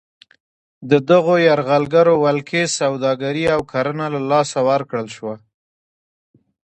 د دغو یرغلګرو ولکې سوداګري او کرنه له لاسه ورکړل شوه.